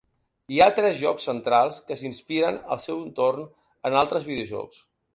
Hi ha tres jocs centrals que s'inspiren al seu torn en altres videojocs.